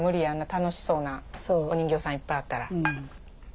あんな楽しそうなお人形さんいっぱいあったら。